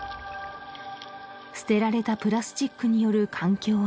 捨てられたプラスチックによる環境